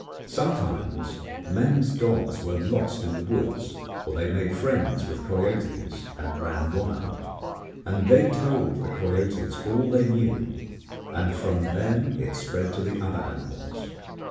Sometimes men's dogs were lost in the woods, or they made friends with coyotes and ran wild; and they told the coyotes all they knew, and from them it spread to the other animals.